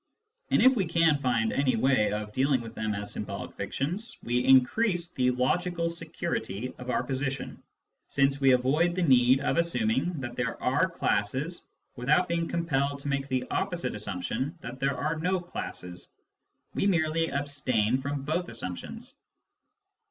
And if we can find any way of dealing with them as symbolic fictions, we increase the logical security of our position, since we avoid the need of assuming that there are classes without being com pelled to make the opposite assumption that there are no classes. We merely abstain from both assumptions.